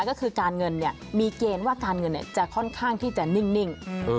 ก็คือการเงินมีเกณฑ์ว่าการเงินจะค่อนข้างที่จะนิ่ง